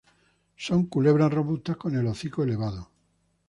Son culebras robustas con el hocico elevado.